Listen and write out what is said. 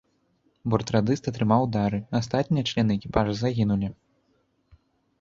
Бортрадыст атрымаў ўдары, астатнія члены экіпажа загінулі.